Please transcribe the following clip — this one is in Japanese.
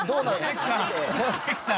関さん！